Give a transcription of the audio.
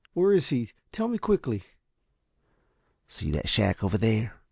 "Where is he? Tell me quickly." "See that shack over there?"